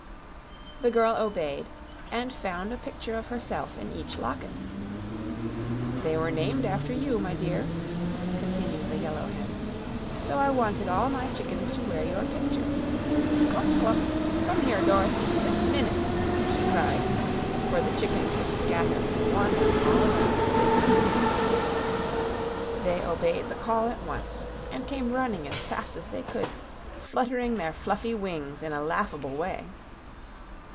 The girl obeyed and found a picture of herself in each locket. "They were named after you, my dear," continued the Yellow Hen, "so I wanted all my chickens to wear your picture. Cluck cluck! come here, Dorothy this minute!" she cried, for the chickens were scattered and wandering all around the big room. They obeyed the call at once, and came running as fast as they could, fluttering their fluffy wings in a laughable way.